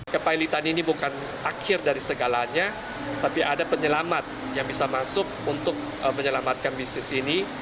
kepailitan ini bukan akhir dari segalanya tapi ada penyelamat yang bisa masuk untuk menyelamatkan bisnis ini